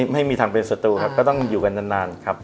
ไม่มีทางเป็นศัตรูครับก็ต้องอยู่กันนานครับ